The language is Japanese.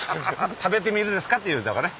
食べてみるですかっていうとこね。